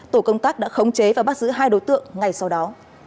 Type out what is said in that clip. tổ công tác đã khống chế và bắt giữ hai đối tượng ngay sau đó